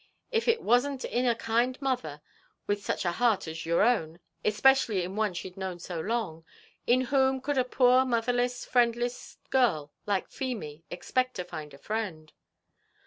If it wasn't in a kind mother, with such a heart as your own, especially in one she'd known so long, in whom could a poor motherless, friendless girl, like Feemy, expect to find a friend?"